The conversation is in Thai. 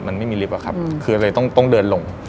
มันไม่มีลิฟท์คือต้องเดินลง